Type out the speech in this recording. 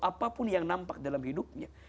apapun yang nampak dalam hidupnya